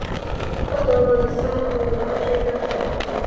Otto was the son of a country doctor.